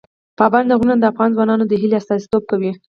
پابندي غرونه د افغان ځوانانو د هیلو استازیتوب کوي.